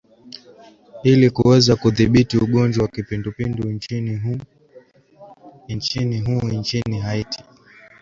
ili kuweza kudhibiti ugonjwa wa kipindupindu nchini hu nchini haiti